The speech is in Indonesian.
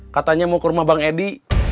katanya mau ke rumah bang edi